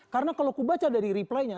karena kalau aku baca dari reply nya